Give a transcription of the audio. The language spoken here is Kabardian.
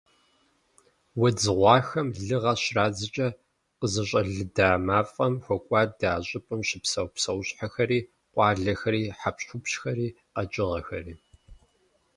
Удз гъуахэм лыгъэ щрадзкӀэ, къызэщӀэлыда мафӀэм хокӀуадэ а щӀыпӀэм щыпсэу псэущхьэхэри, къуалэхэри, хьэпщхупщхэри, къэкӏыгъэхэри.